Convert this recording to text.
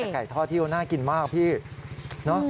แก่ทอดน่ากินมากน้อ